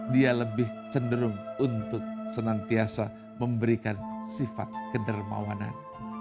dia lebih cenderung untuk senantiasa memberikan sifat kedermawanan